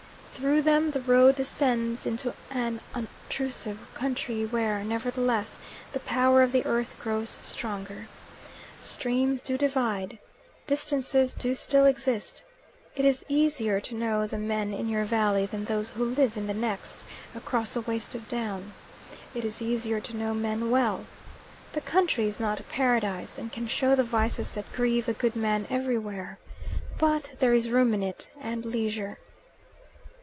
Through them the road descends into an unobtrusive country where, nevertheless, the power of the earth grows stronger. Streams do divide. Distances do still exist. It is easier to know the men in your valley than those who live in the next, across a waste of down. It is easier to know men well. The country is not paradise, and can show the vices that grieve a good man everywhere. But there is room in it, and leisure.